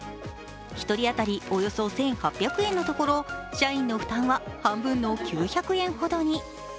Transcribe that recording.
１人当たりおよそ１８００円のところ社員の負担は半分の９００円ほどに。